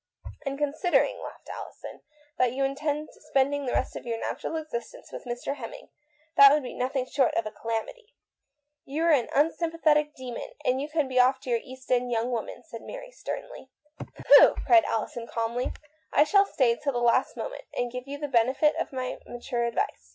" And considering," said Alison, " that you intend spending the rest of your natural ex istence with Mr. Hemming, that would be nothing short of a calamity." THE WOMAN WAITS. 149 "You are an unsympathetic demon, and you can be off to your East End young women," said Mary peevishly. " Pooh," said Alison calmly, " I shall stay till the last moment, and give you the benefit of my mature advice.